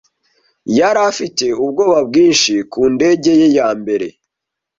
Yari afite ubwoba bwinshi ku ndege ye ya mbere.